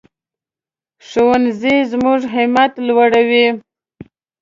ښوونځی زموږ همت لوړوي